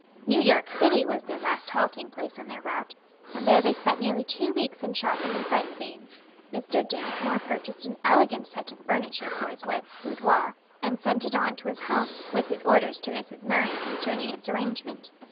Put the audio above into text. New York City was their last halting place on their route, and there they spent nearly two weeks in shopping and sight seeing. Mr. Dinsmore purchased an elegant set of furniture for his wife's boudoir, and sent it on to his home, with his orders to Mrs. Murray concerning its arrangement.